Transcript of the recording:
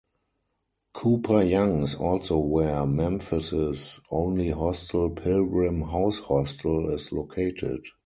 Cooper Young is also where Memphis' only hostel, Pilgrim House Hostel, is located.